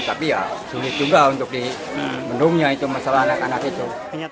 tapi ya sulit juga untuk di bendungnya itu masalah anak anak itu